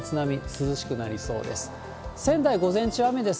涼しくなりそうです。